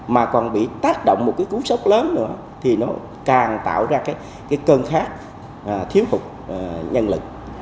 mà còn bị tác động một cái cú sốc lớn nữa thì nó càng tạo ra cái cơn khát thiếu hụt nhân lực